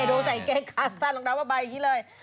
ดูใส่เก๊กคาสสั้นลงทางว่าไปแบบนี้เลย